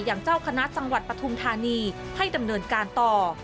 เจ้าคณะจังหวัดปฐุมธานีให้ดำเนินการต่อ